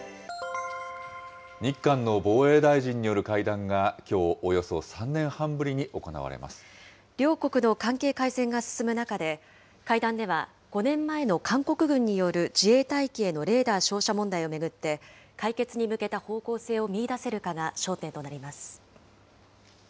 日韓の防衛大臣による会談がきょう、およそ３年半ぶりに行わ両国の関係改善が進む中で、会談では、５年前の韓国軍による自衛隊機へのレーダー照射問題を巡って、解決に向けた方向性を見いだせるかが焦点となります。